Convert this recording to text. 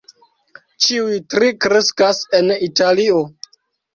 Ĉiuj tri kreskas en Italio.